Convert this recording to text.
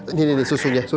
ini susunya susunya udah siap